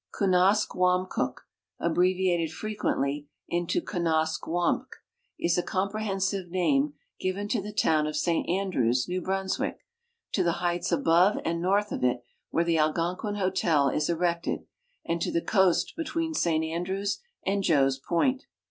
Kunaskwamkuk, abbreviated frequently into Kunaskwamk, is a com prehensive name given to the town of St Andrews, New Brunswick, to the heights above and north of it, where the Algonquin hotel is erected, and to the coast between St Andrews and Joe's point.